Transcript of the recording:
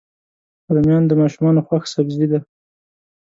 رومیان د ماشومانو خوښ سبزي ده